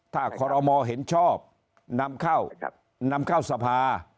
ถ้าคอรมอเห็นชอบนำเข้านำเข้าสภา